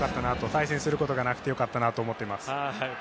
対戦することがなくて良かったなと思っています。